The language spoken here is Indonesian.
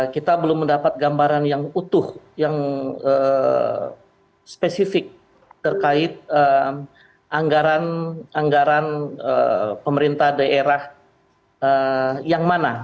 kita belum mendapat gambaran yang utuh yang spesifik terkait anggaran pemerintah daerah yang mana